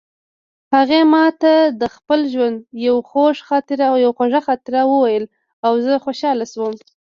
هغې ما ته د خپل ژوند یوه خوږه خاطره وویله او زه خوشحاله شوم